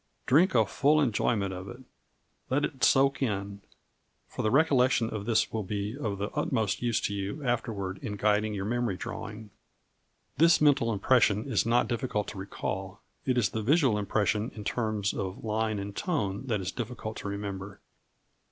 Drink a full enjoyment of it, let it soak in, for the recollection of this will be of the utmost use to you afterwards in guiding your memory drawing. This mental impression is not difficult to recall; it is the visual impression in terms of line and tone that is difficult to remember.